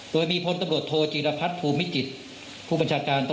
ตำรวจภูทร